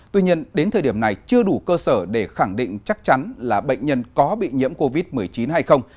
tuy nhiên đến thời điểm này chưa đủ cơ sở để khẳng định chắc chắn là bệnh nhân có bị nhiễm covid một mươi chín hay không